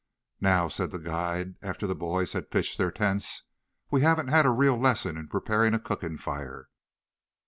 "Now," said the guide, after the boys had pitched their tents, "we haven't had a real lesson in preparing a cooking fire.